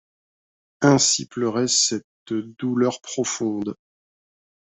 Ainsi pleurait cette douleur profonde.